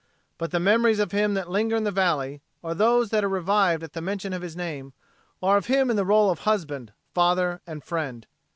But the memories of him that linger in the valley, or those that are revived at the mention of his name, are of him in the role of husband, father and friend.